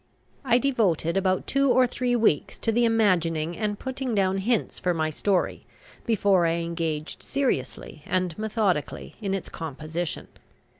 I devoted about two or three weeks to the imagining and putting down hints for my story before I engaged seriously and methodically in its composition.